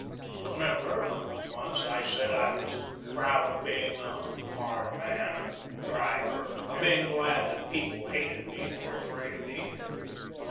Remember, once I said I was proud of being a hard man, a driver, of being glad that people hated me and were afraid of me?